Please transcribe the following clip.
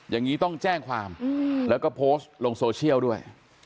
อย่างนี้ต้องแจ้งความแล้วก็โพสต์ลงโซเชียลด้วย